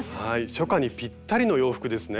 初夏にぴったりの洋服ですね。